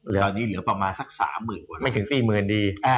ตอนนี้เหลือประมาณ๓๐๐๐๐กว่าล้านไม่ถึง๔๐๐๐๐ล้านดี